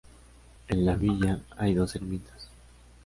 En la villa hay dos ermitas.